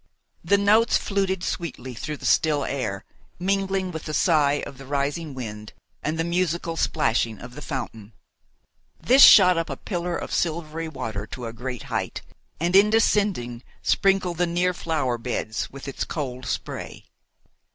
The notes fluted sweetly through the still air, mingling with the sigh of the rising wind and the musical splashing of the fountain. This shot up a pillar of silvery water to a great height, and in descending sprinkled the near flower beds with its cold spray.